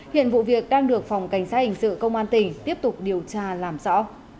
hiện vụ việc đang được phòng cảnh sát hình sự công an tỉnh tiếp tục điều tra làm rõ